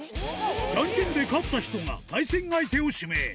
じゃんけんで勝った人が、対戦相手を指名。